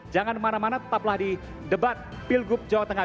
jangan mana mana tetaplah di debat pilgub jawa tengah dua ribu delapan belas